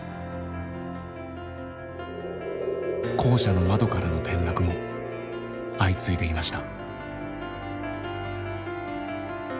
校舎の窓からの転落も相次いでいました。